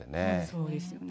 そうですよね。